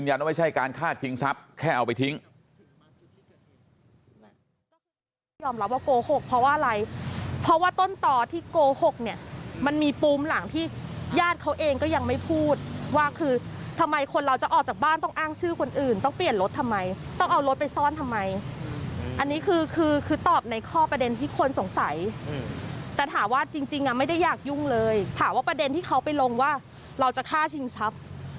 ยอมรับว่าโกหกเพราะว่าอะไรเพราะว่าต้นต่อที่โกหกเนี่ยมันมีปูมหลังที่ญาติเขาเองก็ยังไม่พูดว่าคือทำไมคนเราจะออกจากบ้านต้องอ้างชื่อคนอื่นต้องเปลี่ยนรถทำไมต้องเอารถไปซ่อนทำไมอันนี้คือคือคือตอบในข้อประเด็นที่คนสงสัยแต่ถามว่าจริงไม่ได้อยากยุ่งเลยถามว่าประเด็นที่เขาไปลงว่าเราจะฆ่าชิงทรัพ